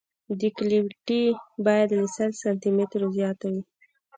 ډکټیلیټي باید له سل سانتي مترو زیاته وي